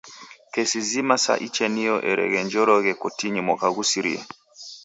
Kesi zima sa ichenio ereenjeroghe kotinyi mwaka ghusirie.